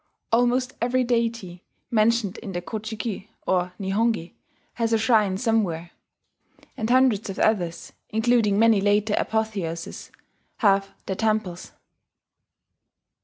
Almost every deity mentioned in the Ko ji ki or Nihongi has a shrine somewhere; and hundreds of others including many later apotheoses have their temples.